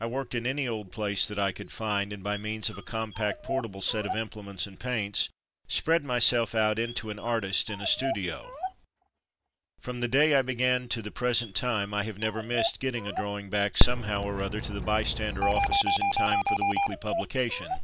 I worked in any old place that I could find, and by means of a compact portable set of imple ments and paints, spread myself out into an artist in a ''studio/' From the day I began to the present time I have never missed getting a drawing back somehow or other to the Bystander offices in time for the weekly publication.